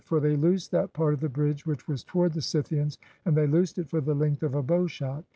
For they loosed that part of the bridge which was toward the Scythians, and they loosed it for the length of a bow shot.